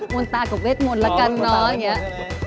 มนตรากับเวทมนตร์ละกันเนอะ